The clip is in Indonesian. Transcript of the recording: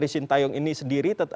dan saya ingin tayung ini sendiri